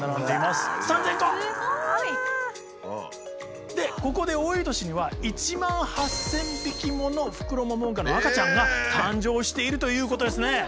すごい！でここで多い年には１万８，０００匹ものフクロモモンガの赤ちゃんが誕生しているということですね。